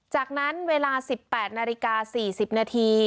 จากนั้นเวลา๑๘นาฬิกา๔๐นาที